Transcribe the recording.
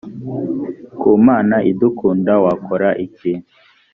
ku mana idukunda wakora iki